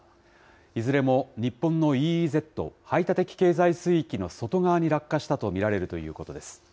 いずれも日本のＥＥＺ・排他的経済水域の外側に落下したと見られるということです。